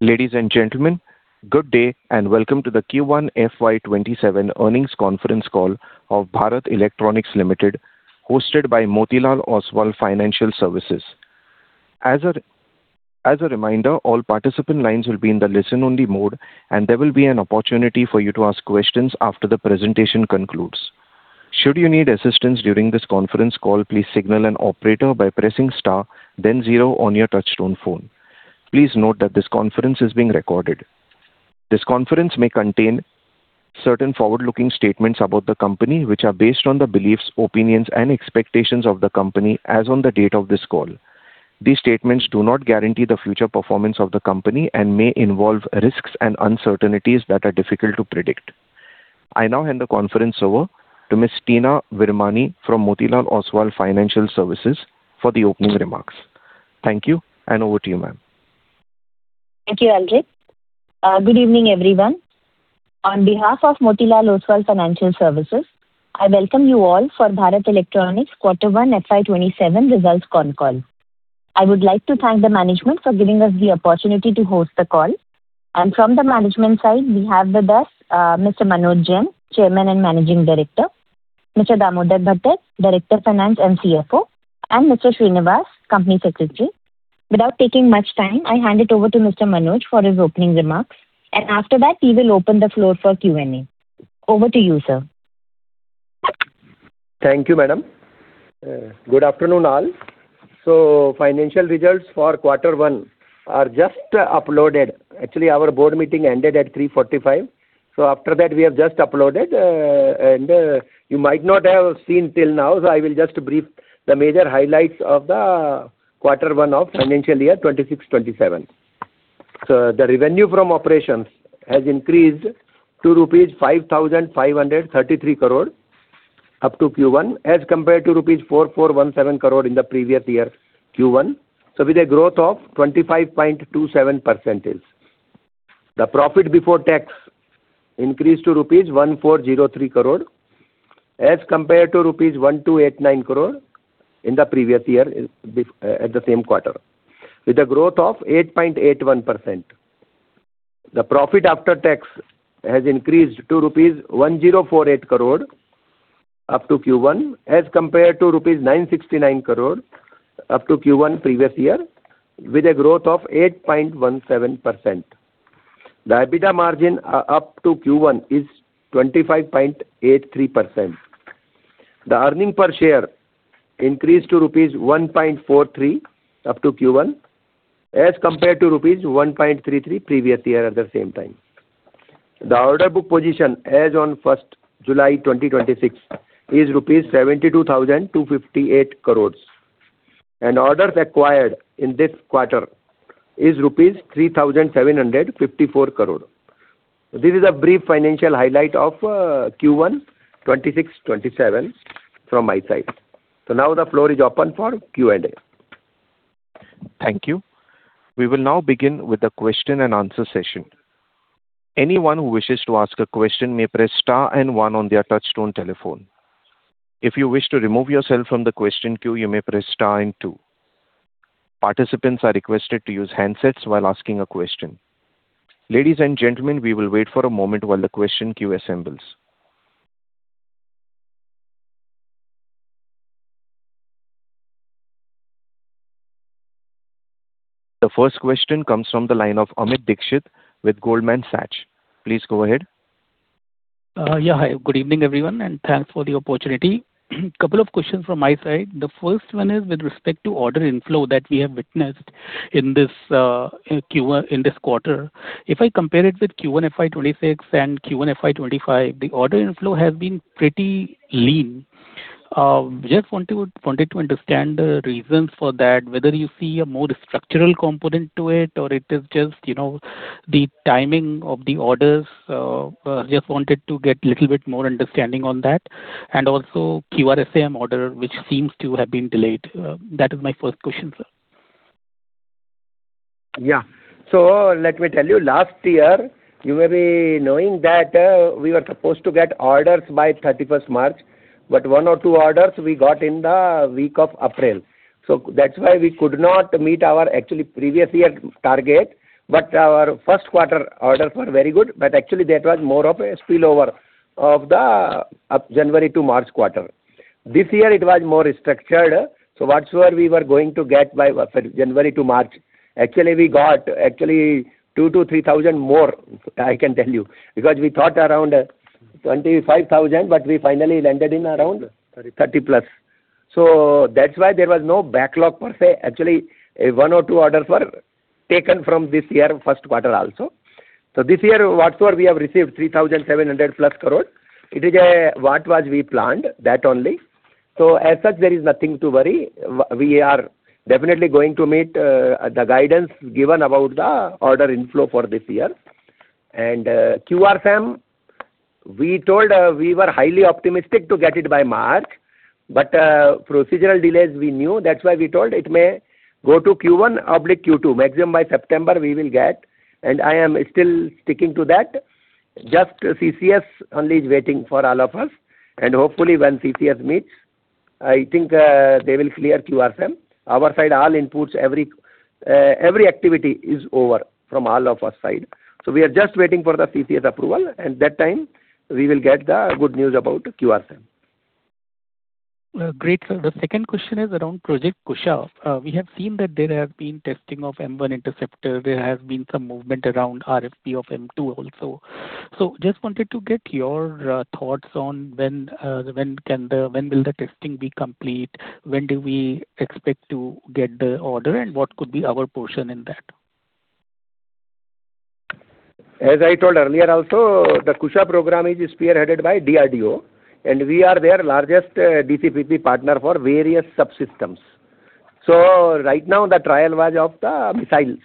Ladies and gentlemen, good day and welcome to the Q1 FY 2027 earnings conference call of Bharat Electronics Limited, hosted by Motilal Oswal Financial Services. As a reminder, all participant lines will be in the listen only mode, and there will be an opportunity for you to ask questions after the presentation concludes. Should you need assistance during this conference call, please signal an operator by pressing star then zero on your touchtone phone. Please note that this conference is being recorded. This conference may contain certain forward-looking statements about the company, which are based on the beliefs, opinions, and expectations of the company as on the date of this call. These statements do not guarantee the future performance of the company and may involve risks and uncertainties that are difficult to predict. I now hand the conference over to Ms. Teena Virmani from Motilal Oswal Financial Services for the opening remarks. Thank you. Over to you, ma'am. Thank you, Ajit. Good evening, everyone. On behalf of Motilal Oswal Financial Services, I welcome you all for Bharat Electronics quarter one FY 2027 results con call. I would like to thank the management for giving us the opportunity to host the call. From the management side, we have with us Mr. Manoj Jain, Chairman and Managing Director, Mr. Damodar Bhattad, Director (Finance) and CFO, and Mr. Sreenivas, Company Secretary. Without taking much time, I hand it over to Mr. Manoj for his opening remarks. After that he will open the floor for Q and A. Over to you, sir. Thank you, madam. Good afternoon, all. Financial results for quarter one are just uploaded. Actually, our board meeting ended at 3:45 P.M. After that, we have just uploaded, and you might not have seen till now. I will just brief the major highlights of the quarter one of financial year 2026/2027. The revenue from operations has increased to rupees 5,533 crores up to Q1 as compared to rupees 4,417 crores in the previous year Q1. With a growth of 25.27%. The Profit Before Tax increased to rupees 1,403 crores as compared to rupees 1,289 crores in the previous year at the same quarter, with a growth of 8.81%. The Profit After Tax has increased to rupees 1,048 crores up to Q1 as compared to rupees 969 crores up to Q1 previous year, with a growth of 8.17%. The EBITDA margin up to Q1 is 25.83%. The earning per share increased to rupees 1.43 up to Q1 as compared to rupees 1.33 previous year at the same time. The order book position as on first July 2026 is rupees 72,258 crores and orders acquired in this quarter is rupees 3,754 crores. This is a brief financial highlight of Q1 2026/2027 from my side. Now the floor is open for Q and A. Thank you. We will now begin with the question-and-answer session. Anyone who wishes to ask a question may press star and one on their touchtone telephone. If you wish to remove yourself from the question queue, you may press star and two. Participants are requested to use handsets while asking a question. Ladies and gentlemen, we will wait for a moment while the question queue assembles. The first question comes from the line of Amit Dixit with Goldman Sachs. Please go ahead. Hi, good evening, everyone, and thanks for the opportunity. Couple of questions from my side. The first one is with respect to order inflow that we have witnessed in this quarter. If I compare it with Q1 FY 2026 and Q1 FY 2025, the order inflow has been pretty lean. Just wanted to understand the reasons for that, whether you see a more structural component to it or it is just the timing of the orders. Just wanted to get little bit more understanding on that and also QRSAM order, which seems to have been delayed. That is my first question, sir. Let me tell you, last year, you may be knowing that we were supposed to get orders by 31st March, but one or two orders we got in the week of April. That's why we could not meet our actually previous year target. Our first quarter orders were very good. Actually that was more of a spillover of the January to March quarter. This year it was more structured. Whatsoever we were going to get by January to March, actually we got 2,000 to 3,000 more, I can tell you. Because we thought around 25,000, but we finally landed in around 30,000+. That's why there was no backlog per se. Actually, one or two orders were taken from this year first quarter also. This year whatsoever we have received 3,700+ crores. It is what was we planned, that only. As such, there is nothing to worry. We are definitely going to meet the guidance given about the order inflow for this year. QRSAM, we told we were highly optimistic to get it by March, but procedural delays we knew. That's why we told it may go to Q1/Q2. Maximum by September we will get, and I am still sticking to that. Just CCS only is waiting for all of us and hopefully when CCS meets I think they will clear QRSAM. Our side, all inputs, every activity is over from all of our side. We are just waiting for the CCS approval, and that time, we will get the good news about QRSAM. Great, sir. The second question is around Project Kusha. We have seen that there have been testing of M1 interceptor. There has been some movement around RFP of M2 also. Just wanted to get your thoughts on when will the testing be complete, when do we expect to get the order, and what could be our portion in that? As I told earlier also, the Kusha program is spearheaded by DRDO, and we are their largest DCPP partner for various subsystems. Right now the trial was of the missiles.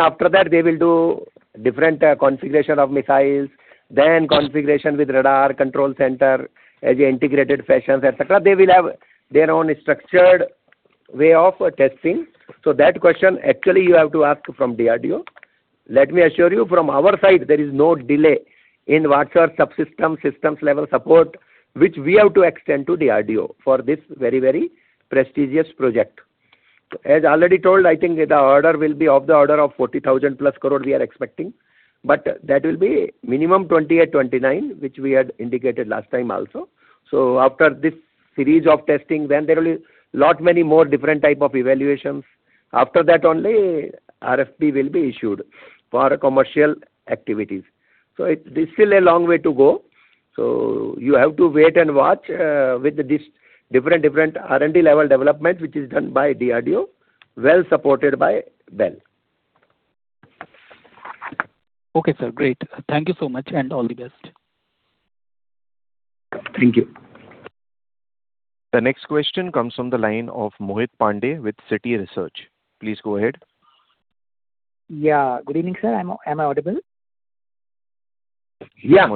After that they will do different configuration of missiles, then configuration with radar, control center, as integrated fashions, et cetera. They will have their own structured way of testing. That question actually you have to ask from DRDO. Let me assure you, from our side, there is no delay in what are subsystem, systems level support, which we have to extend to DRDO for this very prestigious project. As already told, I think the order will be of the order of 40,000-plus crore we are expecting. That will be minimum 2028, 2029, which we had indicated last time also. After this series of testing, when there will be lot many more different type of evaluations, after that only RFP will be issued for commercial activities. There's still a long way to go. You have to wait and watch with these different R&D level development, which is done by DRDO, well supported by BEL. Okay, sir. Great. Thank you so much. All the best. Thank you. The next question comes from the line of Mohit Pandey with Citi Research. Please go ahead. Yeah. Good evening, sir. Am I audible? Yeah.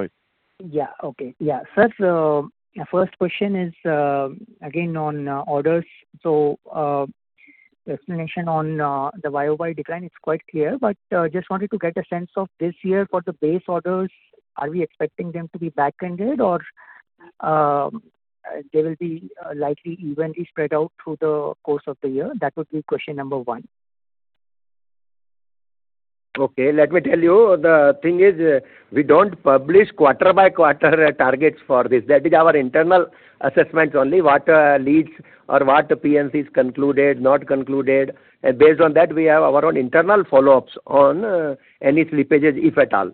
Yeah. Okay. Yeah. Sir, first question is, again, on orders. The explanation on the year-over-year decline is quite clear. Just wanted to get a sense of this year for the base orders. Are we expecting them to be back-ended or they will be likely evenly spread out through the course of the year? That would be question number one. Okay. Let me tell you, the thing is, we don't publish quarter-by-quarter targets for this. That is our internal assessments only. What leads or what PNCs concluded, not concluded, and based on that, we have our own internal follow-ups on any slippages, if at all.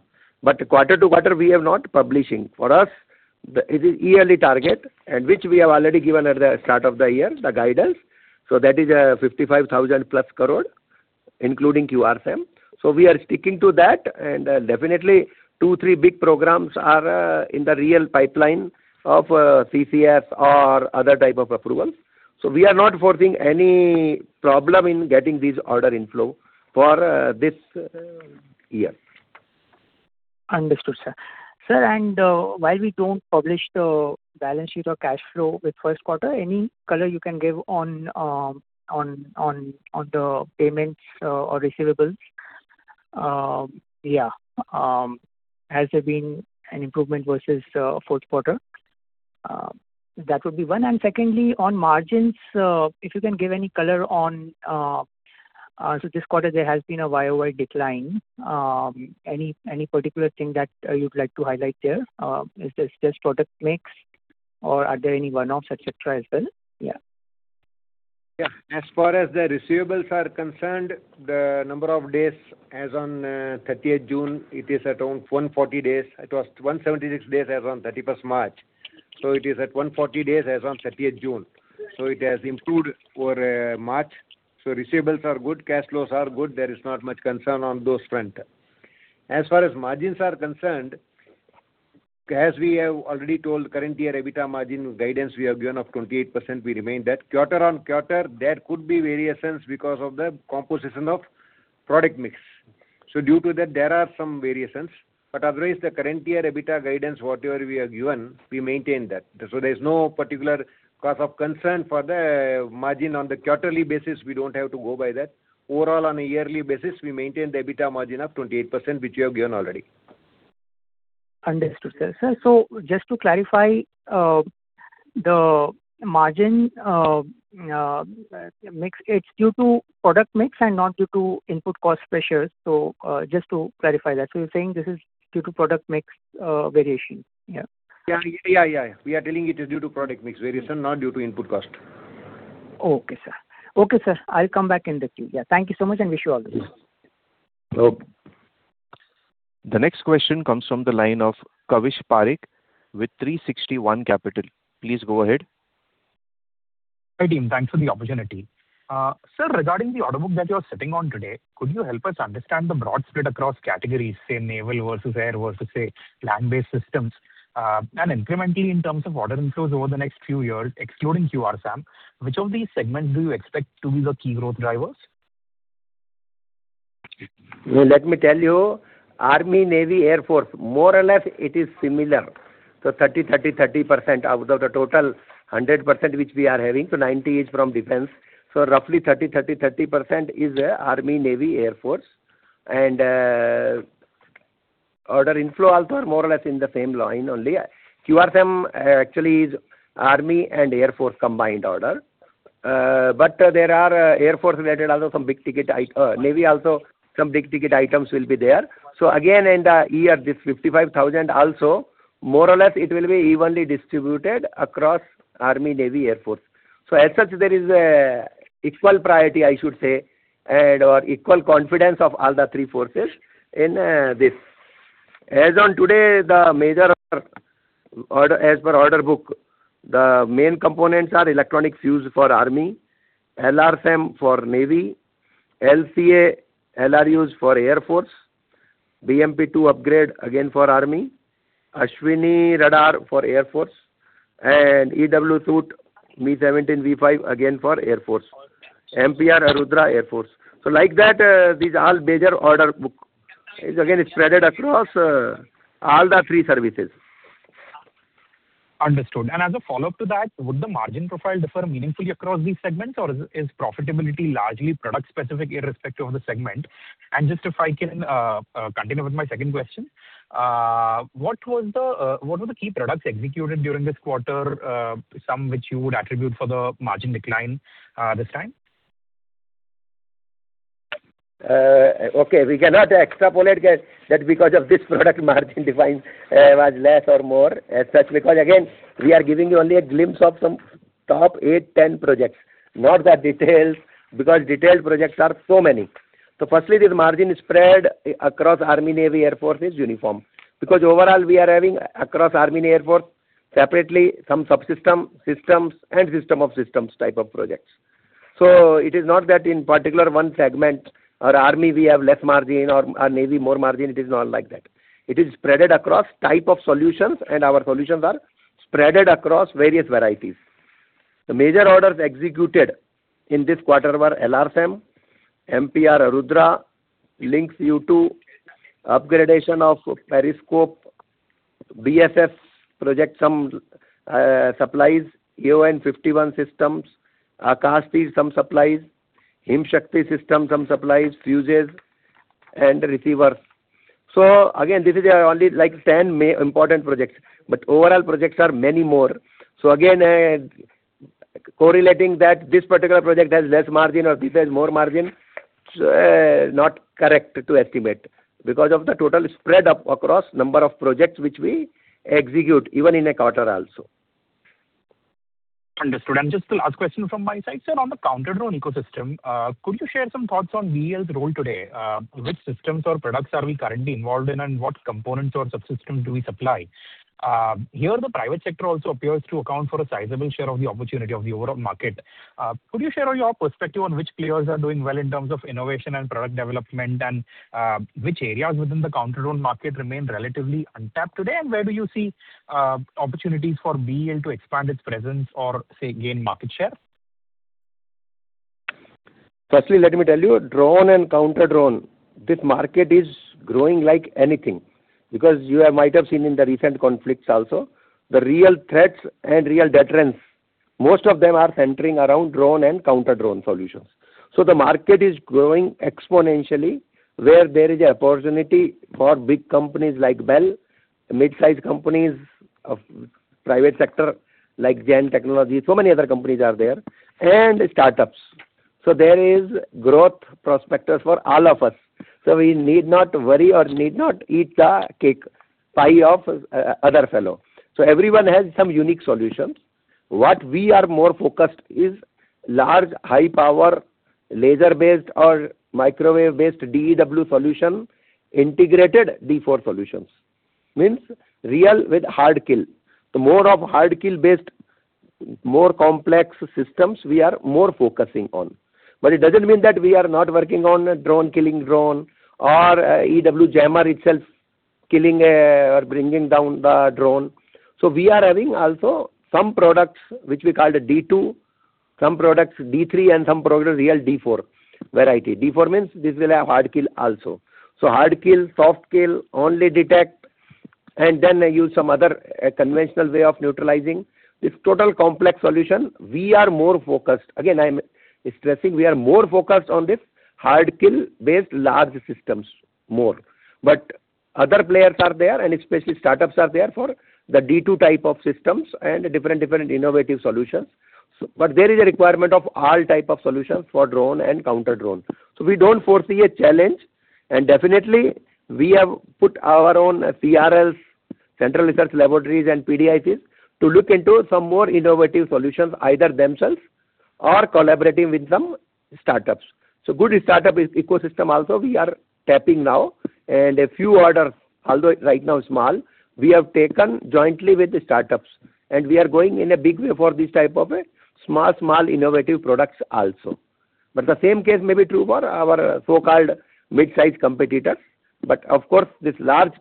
Quarter to quarter, we are not publishing. For us, it is yearly target, which we have already given at the start of the year, the guidance. That is 55,000+ crore, including QRSAM. We are sticking to that, and definitely two, three big programs are in the real pipeline of CCS or other type of approvals. We are not facing any problem in getting these order inflow for this year. Understood, sir. Sir, while we don't publish the balance sheet or cash flow with first quarter, any color you can give on the payments or receivables? Yeah. Has there been an improvement versus fourth quarter? That would be one. Secondly, on margins, if you can give any color on. This quarter, there has been a year-over-year decline. Any particular thing that you'd like to highlight there? Is this just product mix or are there any one-offs, et cetera as well? Yeah. Yeah. As far as the receivables are concerned, the number of days as on 30th June, it is around 140 days. It was 176 days as on 31st March. It is at 140 days as on 30th June. It has improved over March. Receivables are good, cash flows are good. There is not much concern on those front. As far as margins are concerned, as we have already told, current year EBITDA margin guidance we have given of 28%, we remain that. Quarter-on-quarter, there could be variations because of the composition of product mix. Due to that, there are some variations. Otherwise, the current year EBITDA guidance, whatever we have given, we maintain that. There's no particular cause of concern for the margin on the quarterly basis. We don't have to go by that. Overall, on a yearly basis, we maintain the EBITDA margin of 28%, which we have given already. Understood, sir. Sir, just to clarify, the margin, it's due to product mix and not due to input cost pressures. Just to clarify that. You're saying this is due to product mix variation, yeah? Yeah. We are telling it is due to product mix variation, not due to input cost. Okay, sir. I'll come back in the queue. Yeah. Thank you so much, and wish you all the best. No. The next question comes from the line of Kavish Parekh with 360 ONE Capital. Please go ahead. Hi, team. Thanks for the opportunity. Sir, regarding the order book that you are sitting on today, could you help us understand the broad split across categories, say naval versus air versus, say, land-based systems? Incrementally, in terms of order inflows over the next few years, excluding QRSAM, which of these segments do you expect to be the key growth drivers? Let me tell you, army, navy, air force, more or less it is similar. 30%/30%/30% out of the total 100%, which we are having. 90 is from defense. Roughly 30%/30%/30% is army, navy, air force. Order inflow also are more or less in the same line only. QRSAM actually is Army and Air Force combined order. There are Air Force-related, also some big-ticket items. Navy also, some big-ticket items will be there. Again, in the year, this 55,000 also, more or less, it will be evenly distributed across Army, Navy, Air Force. As such, there is equal priority, I should say, and/or equal confidence of all the three forces in this. As on today, as per order book, the main components are electronic fuse for Army, LRSAM for Navy, LCA LRUs for Air Force, BMP-2 upgrade, again, for Army, Ashwini radar for Air Force, and EW suite Mi-17V5, again for Air Force. MPR Arudhra, Air Force. Like that, these are all major order book. Again, it is spread across all the three services. Understood. As a follow-up to that, would the margin profile differ meaningfully across these segments, or is profitability largely product-specific irrespective of the segment? Just if I can continue with my second question, what were the key products executed during this quarter, some which you would attribute for the margin decline this time? Okay. We cannot extrapolate that because of this product margin decline was less or more as such. Again, we are giving you only a glimpse of some top eight, 10 projects, not the details, because detailed projects are so many. Firstly, this margin spread across Army, Navy, Air Force is uniform. Overall, we are having across Army, Air Force separately some subsystem, systems, and system of systems type of projects. It is not that in particular one segment or Army, we have less margin or Navy more margin. It is not like that. It is spread across type of solutions, and our solutions are spread across various varieties. The major orders executed in this quarter were LRSAM, MPR Arudhra, LINK U2, upgradation of periscope, BSS project supplies, AON 51 systems, Akash-T, some supplies, Himshakti System, some supplies, fuses, and receivers. Again, this is only 10 important projects. Overall projects are many more. Again, correlating that this particular project has less margin or this has more margin, it's not correct to estimate because of the total spread across number of projects which we execute even in a quarter also. Understood. Just the last question from my side, sir. On the counter-drone ecosystem, could you share some thoughts on BEL's role today? Which systems or products are we currently involved in, and what components or subsystems do we supply? Here, the private sector also appears to account for a sizable share of the opportunity of the overall market. Could you share your perspective on which players are doing well in terms of innovation and product development? Which areas within the counter-drone market remain relatively untapped today, and where do you see opportunities for BEL to expand its presence or, say, gain market share? Firstly, let me tell you, drone and counter-drone, this market is growing like anything. You might have seen in the recent conflicts also, the real threats and real deterrents, most of them are centering around drone and counter-drone solutions. The market is growing exponentially where there is an opportunity for big companies like BEL, mid-size companies of private sector like Zen Technologies, so many other companies are there, and startups. There is growth prospectus for all of us. We need not worry or need not eat the pie of other fellow. Everyone has some unique solutions. What we are more focused is large, high-power, laser-based or microwave-based DEW solution, integrated D4 solutions. Means real with hard kill. The more of hard kill-based, more complex systems, we are more focusing on. It doesn't mean that we are not working on drone-killing drone or EW jammer itself killing or bringing down the drone. We are having also some products which we call the D2, some products D3, and some products real D4 variety. D4 means this will have hard kill also. Hard kill, soft kill, only detect, and then use some other conventional way of neutralizing. This total complex solution, we are more focused. Again, I'm stressing, we are more focused on this hard kill-based large systems more. Other players are there, and especially startups are there for the D2 type 2 systems and different innovative solutions. There is a requirement of all type of solutions for drone and counter-drone. We don't foresee a challenge. Definitely, we have put our own CRL, Central Research Laboratories, and PDICs to look into some more innovative solutions, either themselves or collaborating with some startups. Good startup ecosystem also we are tapping now, and a few orders, although right now small, we have taken jointly with the startups, and we are going in a big way for this type of a small innovative products also. The same case may be true for our so-called mid-size competitors. Of course, this large,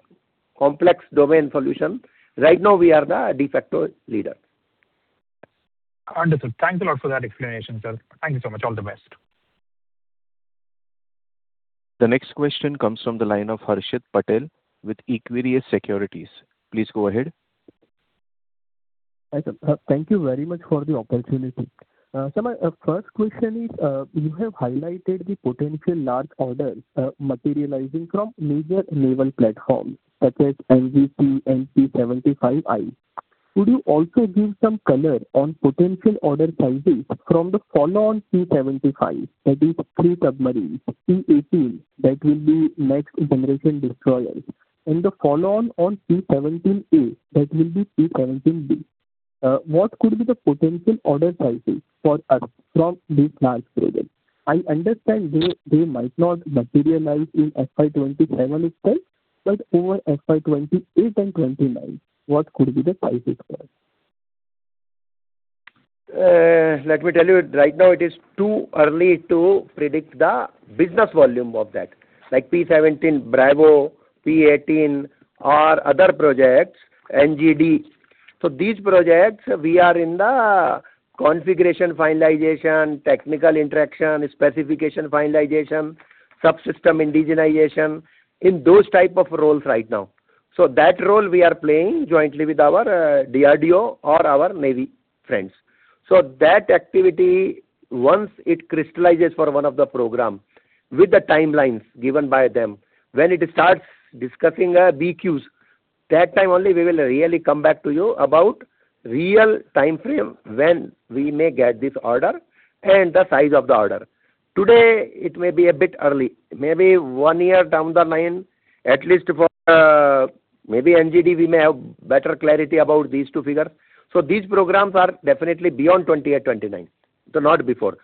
complex domain solution, right now, we are the de facto leader. Understood. Thanks a lot for that explanation, sir. Thank you so much. All the best. The next question comes from the line of Harshit Patel with Equirus Securities. Please go ahead. Hi, sir. Thank you very much for the opportunity. Sir, my first question is, you have highlighted the potential large orders materializing from major naval platforms such as MPV and P75I. Could you also give some color on potential order sizes from the follow-on P75, that is three submarines, P18 that will be Next Generation Destroyers, and the follow-on on P17A, that will be P17B. What could be the potential order sizes for us from these large projects? I understand they might not materialize in FY 2027 itself, but over FY 2028 and 2029, what could be the sizes, sir? Let me tell you, right now it is too early to predict the business volume of that. Like Project 17 Bravo, P18 or other projects, NGD. These projects, we are in the configuration finalization, technical interaction, specification finalization, subsystem indigenization, in those type of roles right now. That role we are playing jointly with our DRDO or our Navy friends. That activity, once it crystallizes for one of the program with the timelines given by them, when it starts discussing BOQs, that time only we will really come back to you about real time frame when we may get this order and the size of the order. Today, it may be a bit early. Maybe one year down the line, at least for maybe NGD, we may have better clarity about these two figures. These programs are definitely beyond 2028, 2029. Not before.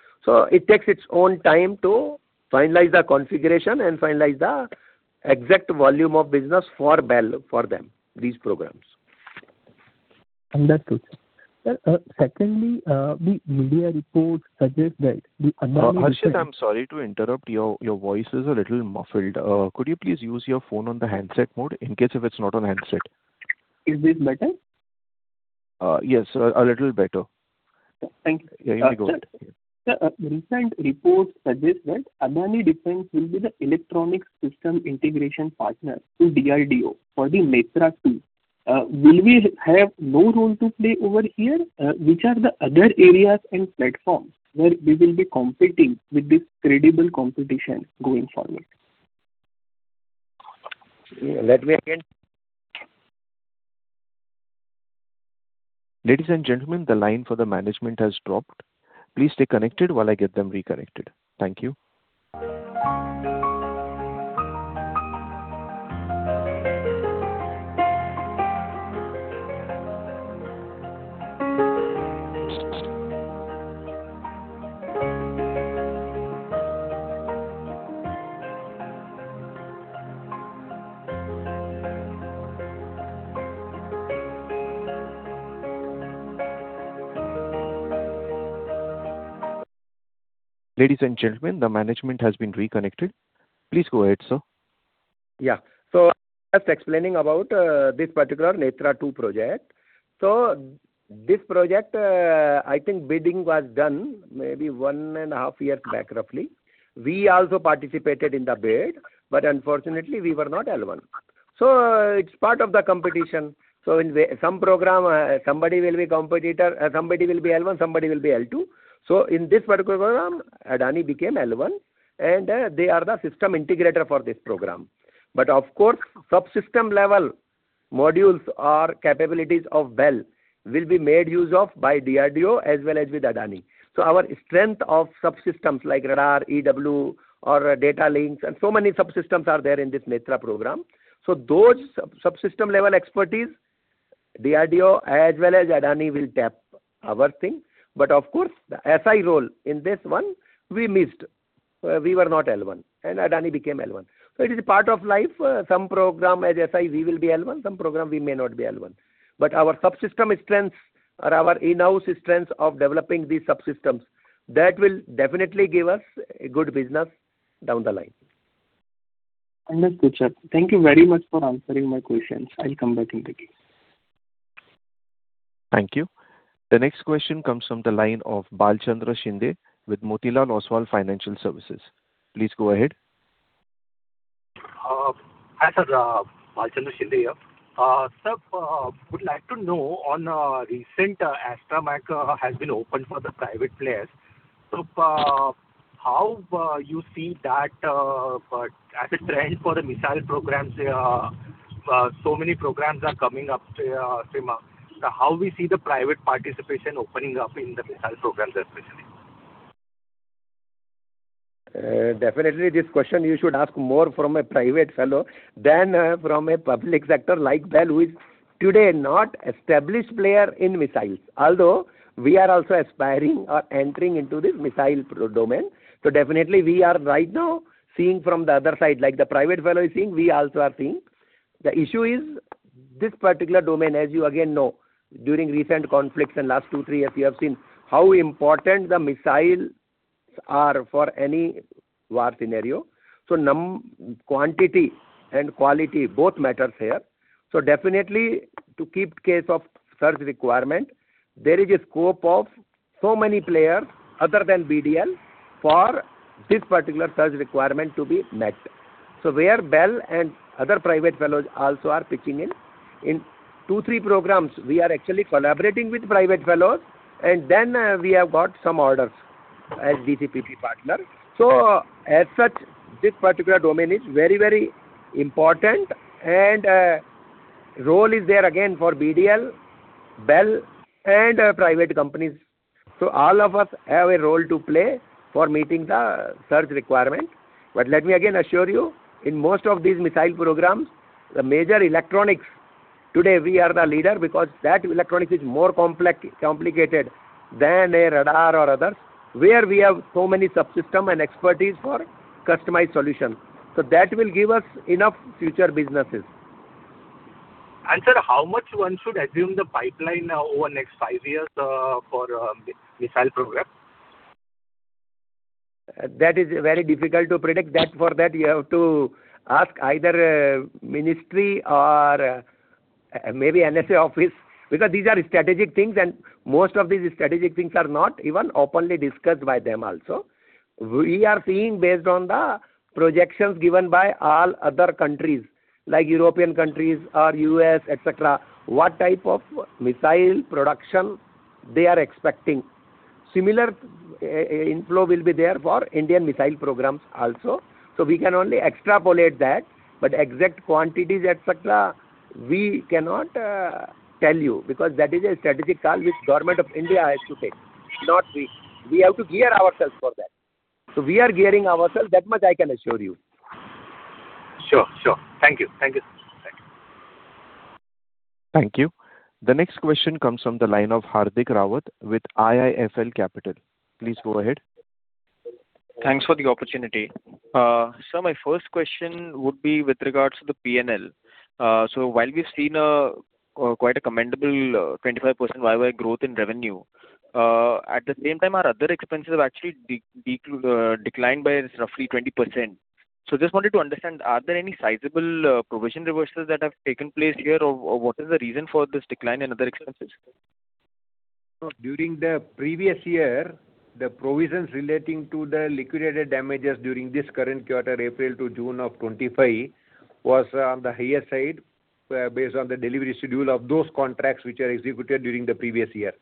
It takes its own time to finalize the configuration and finalize the exact volume of business for BEL, for them, these programs. Understood. Sir, secondly, the media reports suggest that the Adani- Harshit, I'm sorry to interrupt you. Your voice is a little muffled. Could you please use your phone on the handset mode in case if it's not on handset? Is this better? Yes, a little better. Thank you. You may go ahead. Sir, recent reports suggest that Adani Defence will be the electronic system integration partner to DRDO for the Netra Mk2. Will we have no role to play over here? Which are the other areas and platforms where we will be competing with this credible competition going forward? Let me again Ladies and gentlemen, the line for the management has dropped. Please stay connected while I get them reconnected. Thank you. Ladies and gentlemen, the management has been reconnected. Please go ahead, sir. Yeah. Just explaining about this particular Netra 2 project. This project, I think bidding was done maybe one and a half years back, roughly. We also participated in the bid, but unfortunately we were not L1. It's part of the competition. In some program, somebody will be competitor, somebody will be L1, somebody will be L2. In this particular program, Adani became L1, and they are the system integrator for this program. Of course, subsystem level modules or capabilities of BEL will be made use of by DRDO as well as with Adani. Our strength of subsystems like radar, EW or data links, and so many subsystems are there in this Netra program. Those subsystem level expertise, DRDO as well as Adani will tap our thing. Of course, the SI role in this one, we missed. We were not L1 and Adani became L1. It is part of life. Some program as SI, we will be L1, some program we may not be L1. Our subsystem strengths or our in-house strengths of developing these subsystems, that will definitely give us a good business down the line. Understood, sir. Thank you very much for answering my questions. I'll come back in the queue. Thank you. The next question comes from the line of Bhalchandra Shinde with Motilal Oswal Financial Services. Please go ahead. Hi, sir. Bhalchandra Shinde here. Sir, would like to know on recent Astra Mark has been opened for the private players. How you see that as a trend for the missile programs? Many programs are coming up, sir. How we see the private participation opening up in the missile programs especially? Definitely, this question you should ask more from a private fellow than from a public sector like BEL, who is today not established player in missiles. Although, we are also aspiring or entering into this missile domain. Definitely, we are right now seeing from the other side. Like the private fellow is seeing, we also are seeing. The issue is, this particular domain, as you again know, during recent conflicts in last two, three years, we have seen how important the missiles are for any war scenario. Quantity and quality both matters here. Definitely, to keep case of such requirement, there is a scope of so many players other than BDL for this particular such requirement to be met. Where BEL and other private fellows also are pitching in. In two, three programs, we are actually collaborating with private fellows, and then we have got some orders as DCPP partner. As such, this particular domain is very important, and role is there again for BDL, BEL, and private companies. All of us have a role to play for meeting the surge requirement. Let me again assure you, in most of these missile programs, the major electronics, today we are the leader because that electronics is more complicated than a radar or others, where we have so many subsystem and expertise for customized solutions. That will give us enough future businesses. Sir, how much one should assume the pipeline over the next five years for missile program? That is very difficult to predict. For that, you have to ask either ministry or maybe NSA office, because these are strategic things, and most of these strategic things are not even openly discussed by them also. We are seeing based on the projections given by all other countries, like European countries or U.S., et cetera, what type of missile production they are expecting. Similar inflow will be there for Indian missile programs also. We can only extrapolate that, but exact quantities, et cetera, we cannot tell you, because that is a strategic call which Government of India has to take, not we. We have to gear ourselves for that. We are gearing ourselves, that much I can assure you. Sure. Thank you. Thank you. The next question comes from the line of Hardik Rawat with IIFL Capital. Please go ahead. Thanks for the opportunity. Sir, my first question would be with regards to the P&L. While we've seen quite a commendable 25% YoY growth in revenue, at the same time, our other expenses have actually declined by roughly 20%. Just wanted to understand, are there any sizable provision reversals that have taken place here, or what is the reason for this decline in other expenses? During the previous year, the provisions relating to the liquidated damages during this current quarter, April to June of 2025, was on the higher side, based on the delivery schedule of those contracts which are executed during the previous year.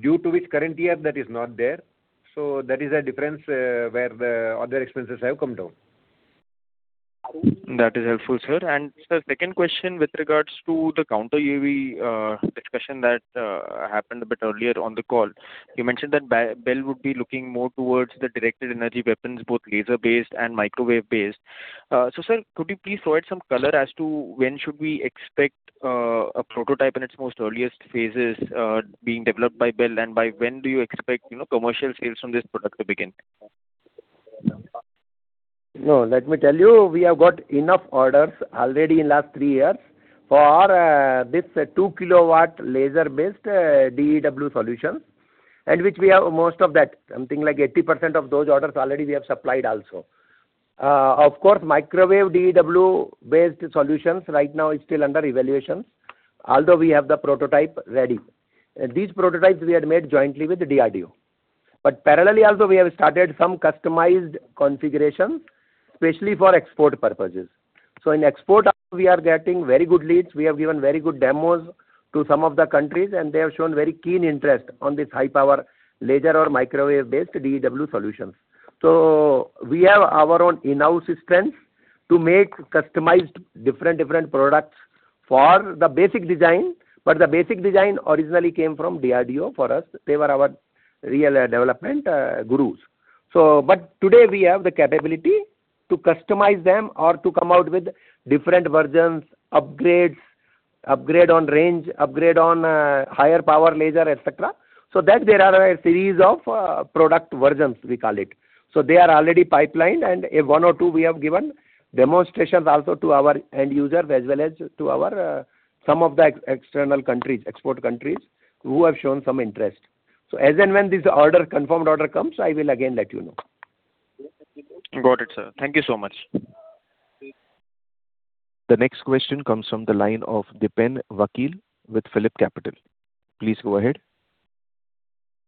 Due to which current year, that is not there. That is a difference where the other expenses have come down. That is helpful, sir. Second question with regards to the counter-UAV discussion that happened a bit earlier on the call. You mentioned that BEL would be looking more towards the directed energy weapons, both laser-based and microwave-based. Sir, could you please throw in some color as to when should we expect a prototype in its most earliest phases being developed by BEL, and by when do you expect commercial sales from this product to begin? Let me tell you, we have got enough orders already in last three years for this two-kilowatt laser-based DEW solution, and which we have most of that, something like 80% of those orders already we have supplied also. Of course, microwave DEW-based solutions right now is still under evaluation, although we have the prototype ready. These prototypes we had made jointly with the DRDO. Parallelly also, we have started some customized configurations, especially for export purposes. In export also, we are getting very good leads. We have given very good demos to some of the countries, and they have shown very keen interest on this high-power laser or microwave-based DEW solutions. We have our own in-house systems to make customized different products for the basic design. But the basic design originally came from DRDO for us. They were our real development gurus. Today we have the capability to customize them or to come out with different versions, upgrades, upgrade on range, upgrade on higher power laser, et cetera. That there are a series of product versions, we call it. They are already pipelined, and one or two we have given demonstrations also to our end users as well as to some of the external countries, export countries, who have shown some interest. As and when this confirmed order comes, I will again let you know. Got it, sir. Thank you so much. The next question comes from the line of Dipen Vakil with PhillipCapital. Please go ahead.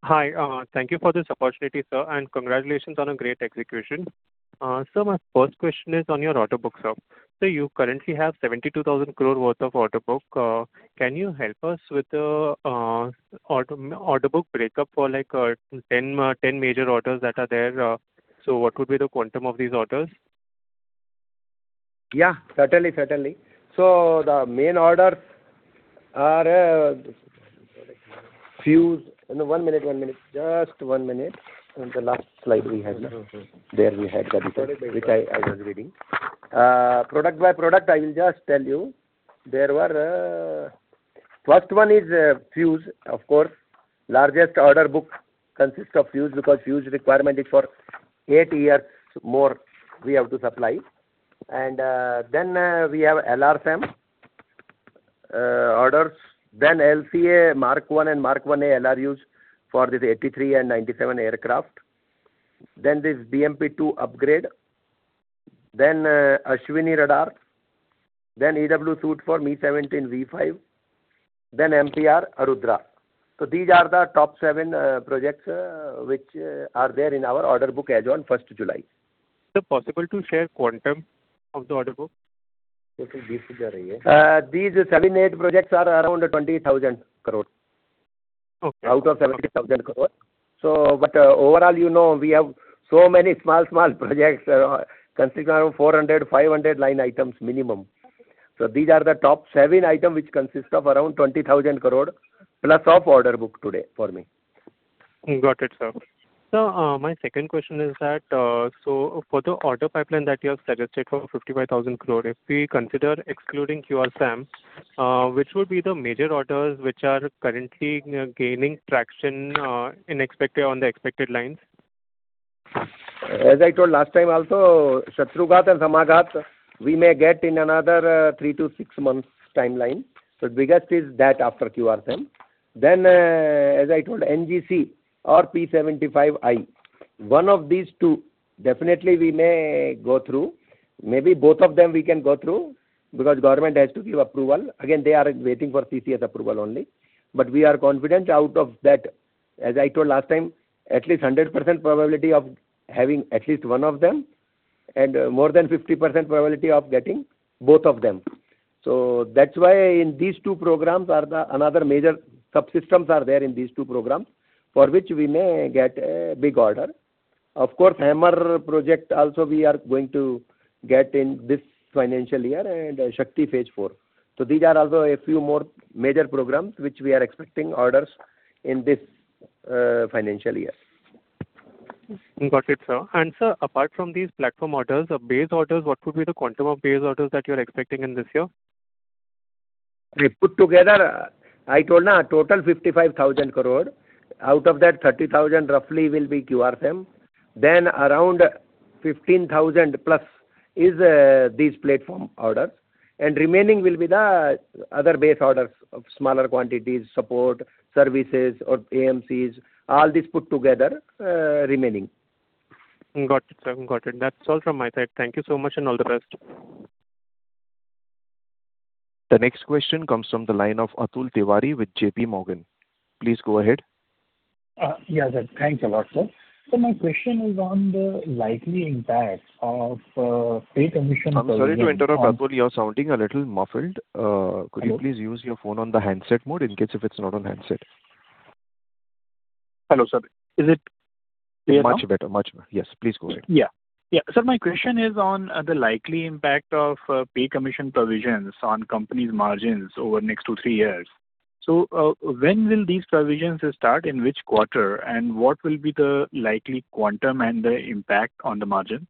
Hi. Thank you for this opportunity, sir, and congratulations on a great execution. Sir, my first question is on your order book, sir. Sir, you currently have 72,000 crore worth of order book. Can you help us with the order book breakup for 10 major orders that are there? What would be the quantum of these orders? Yeah, certainly. The main orders are few. One minute. Just one minute. In the last slide. Sure There we had the detail which I was reading. Product by product, I will just tell you. First one is fuse. Of course, largest order book consists of fuse because fuse requirement is for eight years more we have to supply. Then we have LRSAM orders, then LCA Mark 1 and Mark 1A LRUs for this 83 and 97 aircraft. Then this BMP-2 upgrade. Then Ashwini Radar. Then EW suite for Mi-17V5, then MPR Arudhra. These are the top seven projects which are there in our order book as on first July. Is it possible to share quantum of the order book? These seven, eight projects are around 20,000 crore. Okay. Out of 70,000 crore. Overall, we have so many small projects consisting of 400, 500 line items minimum. These are the top seven items, which consist of around 20,000 crore plus of order book today for me. Got it, sir. Sir, my second question is that, for the order pipeline that you have suggested for 55,000 crore, if we consider excluding QRSAM, which would be the major orders which are currently gaining traction on the expected lines? As I told last time also, Shatrughat and Samaghat, we may get in another three to six months timeline. The biggest is that after QRSAM. As I told, NGC or P75I, one of these two, definitely we may go through. Maybe both of them we can go through, because government has to give approval. Again, they are waiting for CCS approval only. We are confident out of that, as I told last time, at least 100% probability of having at least one of them, and more than 50% probability of getting both of them. That's why these two programs are another major subsystems are there in these two programs, for which we may get a big order. Of course, HAMMER project also, we are going to get in this financial year, and Shakti phase IV. These are also a few more major programs which we are expecting orders in this financial year. Got it, sir. Sir, apart from these platform orders or base orders, what would be the quantum of base orders that you are expecting in this year? If put together, I told total 55,000 crore. Out of that, 30,000 roughly will be QRSAM. Around 15,000 plus is these platform orders, and remaining will be the other base orders of smaller quantities, support, services, or AMCs, all these put together, remaining. Got it, sir. That's all from my side. Thank you so much, and all the best. The next question comes from the line of Atul Tiwari with JPMorgan. Please go ahead. Yeah. Thanks a lot, sir. Sir, my question is on the likely impact of pay commission- I'm sorry to interrupt, Atul. You're sounding a little muffled. Hello? Could you please use your phone on the handset mode in case if it's not on handset? Hello, sir. Is it clear now? Much better. Yes, please go ahead. Sir, my question is on the likely impact of pay commission provisions on company's margins over next two, three years. When will these provisions start, in which quarter? What will be the likely quantum and the impact on the margin?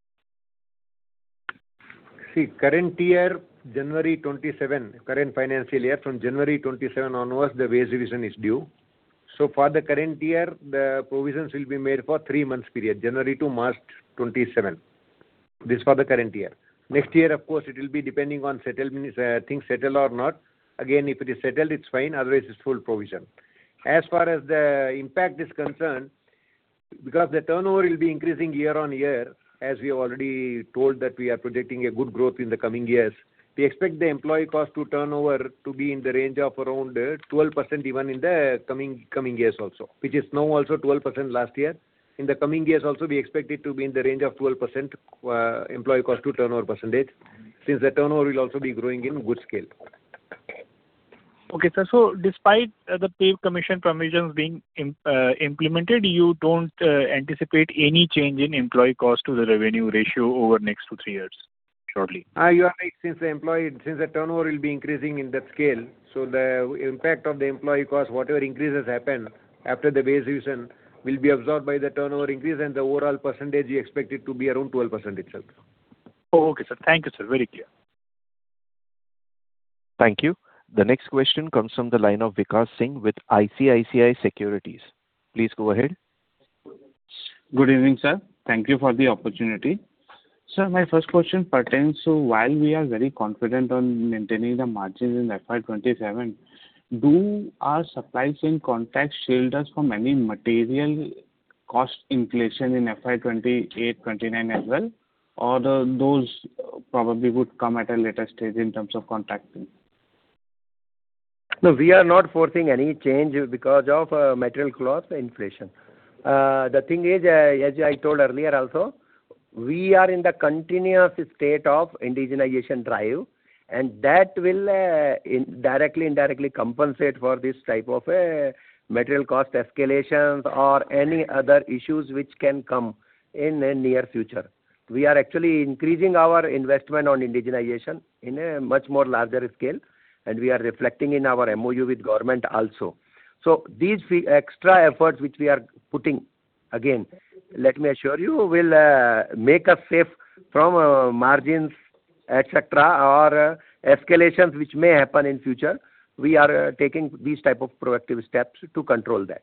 Current year, January 2027, current financial year, from January 2027 onwards, the wage revision is due. For the current year, the provisions will be made for three months period, January to March 2027. This is for the current year. Next year, of course, it will be depending on things settle or not. Again, if it is settled, it's fine. Otherwise, it's full provision. As far as the impact is concerned, because the turnover will be increasing year-on-year, as we already told that we are projecting a good growth in the coming years. We expect the employee cost to turnover to be in the range of around 12% even in the coming years also, which is now also 12% last year. In the coming years also, we expect it to be in the range of 12% employee cost to turnover percentage, since the turnover will also be growing in good scale. Okay, sir. Despite the pay commission provisions being implemented, you don't anticipate any change in employee cost to the revenue ratio over next two, three years, shortly? You are right. Since the turnover will be increasing in that scale, so the impact of the employee cost, whatever increase has happened after the base revision, will be absorbed by the turnover increase, and the overall percentage we expect it to be around 12% itself. Okay, sir. Thank you, sir. Very clear. Thank you. The next question comes from the line of Vikas Singh with ICICI Securities. Please go ahead. Good evening, sir. Thank you for the opportunity. Sir, my first question pertains to while we are very confident on maintaining the margins in FY 2027, do our supply chain contracts shield us from any material cost inflation in FY 2028, 2029 as well? Those probably would come at a later stage in terms of contracting. No, we are not forcing any change because of material cost inflation. The thing is, as I told earlier also, we are in the continuous state of indigenization drive, That will directly, indirectly compensate for this type of material cost escalations or any other issues which can come in near future. We are actually increasing our investment on indigenization in a much more larger scale, We are reflecting in our MoU with government also. These extra efforts which we are putting, again, let me assure you, will make us safe from margins, et cetera, or escalations which may happen in future. We are taking these type of proactive steps to control that.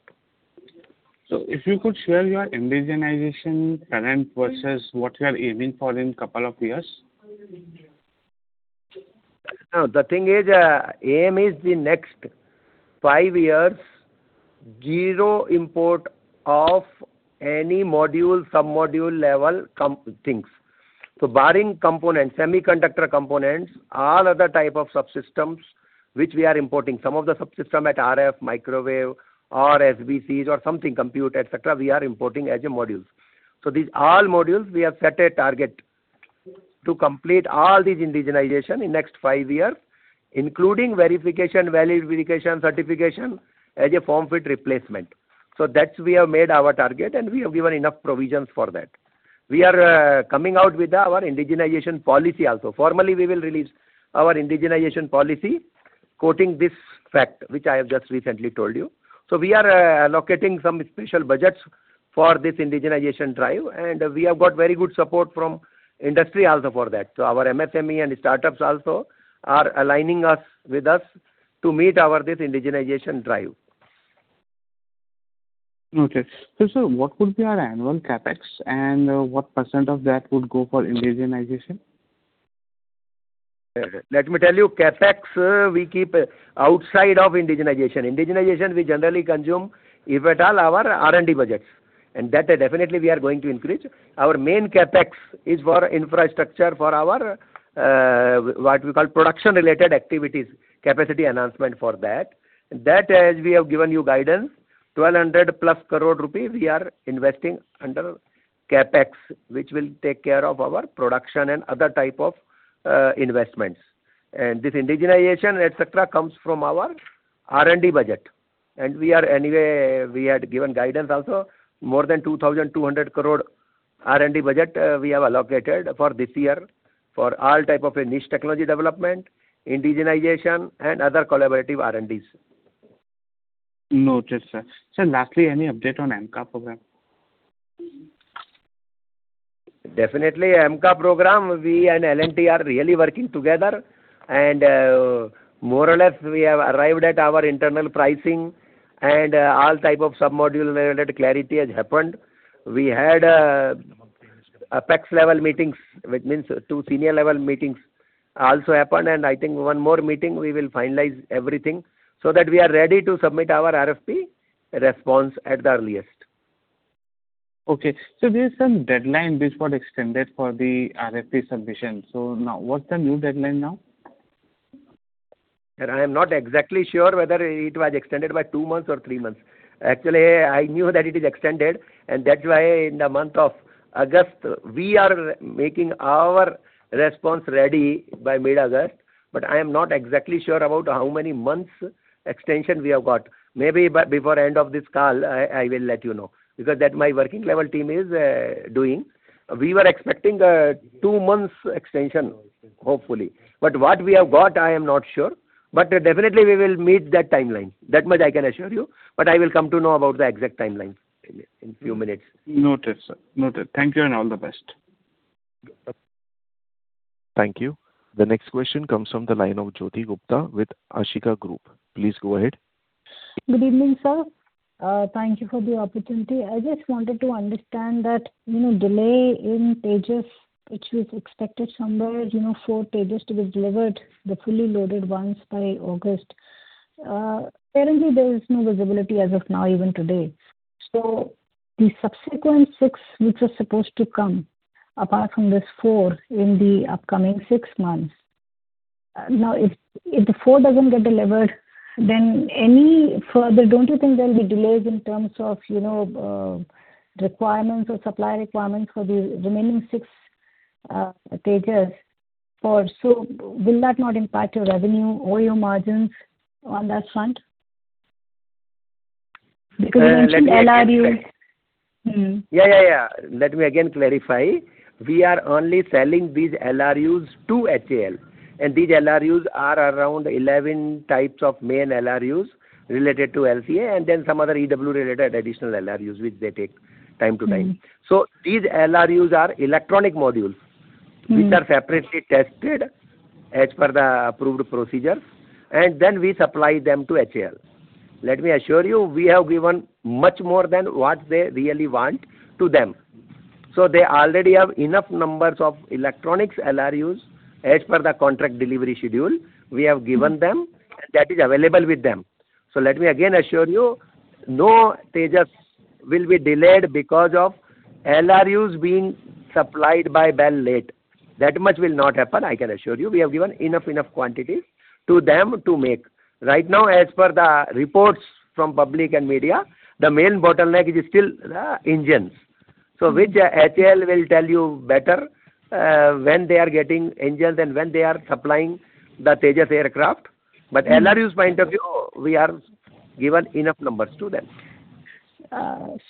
If you could share your indigenization current versus what you are aiming for in couple of years. The thing is, aim is the next five years zero import of any module, sub-module level things. Barring components, semiconductor components, all other type of subsystems, which we are importing, some of the subsystem at RF, microwave or SBCs or something compute, et cetera, we are importing as modules. These all modules, we have set a target to complete all these indigenization in next five years, including verification, validification, certification as a form fit replacement. That we have made our target, We have given enough provisions for that. We are coming out with our indigenization policy also. Formally, we will release our indigenization policy quoting this fact, which I have just recently told you. We are allocating some special budgets for this indigenization drive, We have got very good support from industry also for that. Our MSME and startups also are aligning us with us to meet our this indigenization drive. Okay. Sir, what would be our annual CapEx and what percent of that would go for indigenization? Let me tell you, CapEx, we keep outside of indigenization. Indigenization, we generally consume, if at all, our R&D budgets, and that definitely we are going to increase. Our main CapEx is for infrastructure for our, what we call production-related activities, capacity enhancement for that. That, as we have given you guidance, 1,200 plus crore we are investing under CapEx, which will take care of our production and other type of investments. This indigenization, et cetera, comes from our R&D budget. We had given guidance also, more than 2,200 crore R&D budget we have allocated for this year for all type of niche technology development, indigenization, and other collaborative R&Ds. Noted, sir. Sir, lastly, any update on AMCA program? Definitely. AMCA program, we and L&T are really working together. More or less, we have arrived at our internal pricing, and all type of sub-module related clarity has happened. We had apex level meetings, which means two senior level meetings also happened, I think one more meeting, we will finalize everything so that we are ready to submit our RFP response at the earliest. Okay. There's some deadline which got extended for the RFP submission. Now what's the new deadline now? I am not exactly sure whether it was extended by two months or three months. Actually, I knew that it is extended, that's why in the month of August, we are making our response ready by mid-August. I am not exactly sure about how many months extension we have got. Maybe before end of this call, I will let you know, because that my working level team is doing. We were expecting a two months extension, hopefully. What we have got, I am not sure. Definitely we will meet that timeline. That much I can assure you. I will come to know about the exact timeline in few minutes. Noted, sir. Noted. Thank you, all the best. Thank you. The next question comes from the line of Jyoti Gupta with Ashika Group. Please go ahead. Good evening, sir. Thank you for the opportunity. I just wanted to understand that delay in Tejas, which we've expected somewhere four Tejas to be delivered, the fully loaded ones, by August. The subsequent six, which are supposed to come apart from this four in the upcoming six months. If the four doesn't get delivered, then any further, don't you think there will be delays in terms of supply requirements for the remaining six Tejas? Will that not impact your revenue or your margins on that front? Because you mentioned LRUs. Yeah. Let me again clarify. We are only selling these LRUs to HAL. These LRUs are around 11 types of main LRUs related to LCA. Then some other EW related additional LRUs, which they take time to time. These LRUs are electronic modules which are separately tested as per the approved procedure, then we supply them to HAL. Let me assure you, we have given much more than what they really want to them. They already have enough numbers of electronics LRUs as per the contract delivery schedule we have given them, and that is available with them. Let me again assure you, no Tejas will be delayed because of LRUs being supplied by BEL late. That much will not happen, I can assure you. We have given enough quantity to them to make. Right now, as per the reports from public and media, the main bottleneck is still the engines. HAL will tell you better when they are getting engines and when they are supplying the Tejas aircraft. But LRUs point of view, we have given enough numbers to them.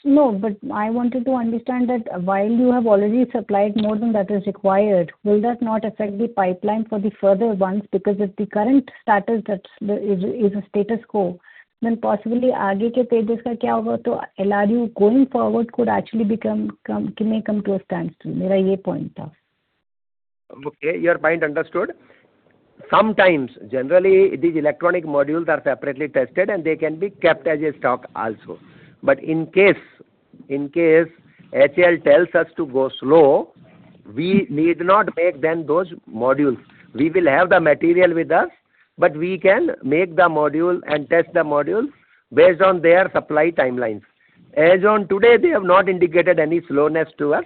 No, I wanted to understand that while you have already supplied more than that is required, will that not affect the pipeline for the further ones? If the current status is a status quo, then possibly, what will happen to the future Tejas? LRU going forward could actually come to a standstill. This was my point. Okay. Your point understood. Sometimes. Generally, these electronic modules are separately tested, and they can be kept as a stock also. In case HAL tells us to go slow We need not make then those modules. We will have the material with us, but we can make the module and test the module based on their supply timelines. As on today, they have not indicated any slowness to us,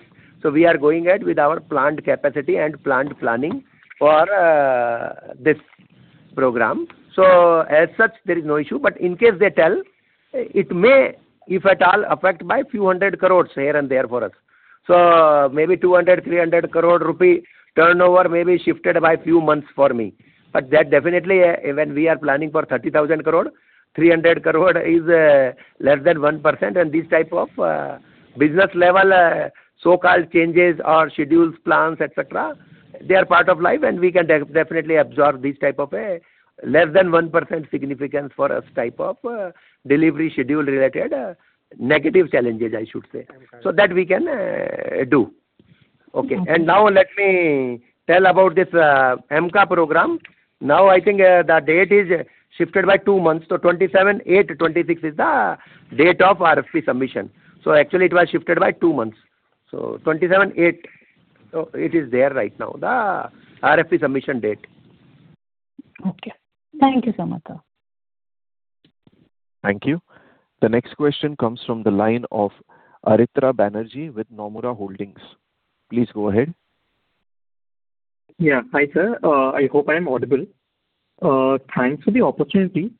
we are going ahead with our plant capacity and plant planning for this program. As such, there is no issue, but in case they tell, it may, if at all, affect by a few hundred crore here and there for us. Maybe 200 crore rupee, 300 crore rupee turnover may be shifted by a few months for me. That definitely, when we are planning for 30,000 crore, 300 crore is less than 1%, and this type of business level so-called changes or schedules, plans, et cetera, they are part of life, and we can definitely absorb this type of less than 1% significance for us type of delivery schedule related negative challenges, I should say. That we can do. Okay. Now let me tell about this AMCA program. Now, I think the date is shifted by two months to 27/8/2026 is the date of RFP submission. Actually it was shifted by two months. 2027/2028. It is there right now, the RFP submission date. Okay. Thank you so much, sir. Thank you. The next question comes from the line of Aritra Banerjee with Nomura Holdings. Please go ahead. Yeah. Hi, sir. I hope I am audible. Thanks for the opportunity.